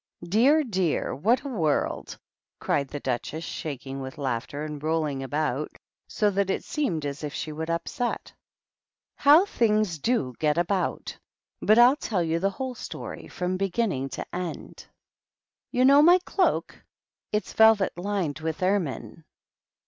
"Dear, dear! what a world!" cried the Duchess, shaking with laughter, and rolling about so that it seemed as if she would up set. "How things do get about! But I'll tell you the whole story, from beginning to end. THE BED QUEEN AND THE DUCHESS. 127 You know my cloak? It's velvet, lined with ermine."